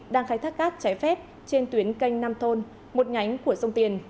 đang khai thác cát trái phép trên tuyến canh năm thôn một nhánh của sông tiền